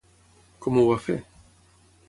Com ho va fer?